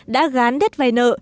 đã gán đất vay nợ